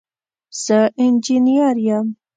زه انجنیر یم